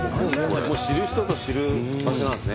知る人ぞ知る場所なんですね。